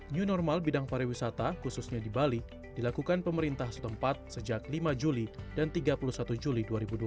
new normal bidang pariwisata khususnya di bali dilakukan pemerintah setempat sejak lima juli dan tiga puluh satu juli dua ribu dua puluh